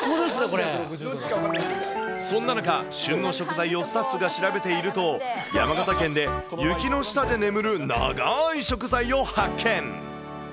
そんな中、旬の食材をスタッフが調べていると、山形県で雪の下で眠る長ーい食材を発見。